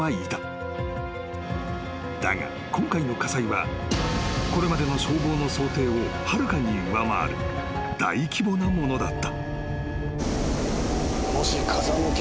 ［だが今回の火災はこれまでの消防の想定をはるかに上回る大規模なものだった］